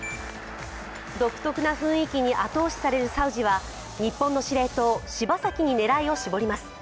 独特な雰囲気に後押しされるサウジは日本の司令塔・柴崎に狙いを絞ります。